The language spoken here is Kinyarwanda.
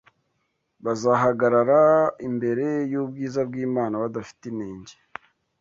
bazahagarara ‘imbere y’ubwiza bw’Imana badafite inenge